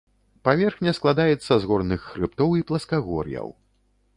Паверхня складаецца з горных хрыбтоў і пласкагор'яў.